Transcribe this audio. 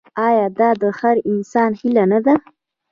آیا دا د هر انسان هیله نه ده؟